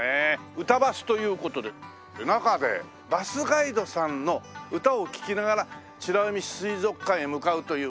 うたばすという事で中でバスガイドさんの歌を聴きながら美ら海水族館へ向かうという。